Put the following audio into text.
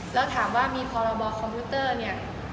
แล้วถามว่ามีพรบคอมพิวเตอร์เนี่ย